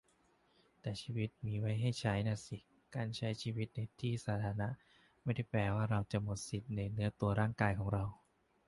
แต่ชีวิตมีไว้ให้ใช้น่ะสิ การใช้ชีวิตในที่สาธารณะ ไม่ได้แปลว่าเราจะหมดสิทธิในเนื้อตัวร่างกายของเรา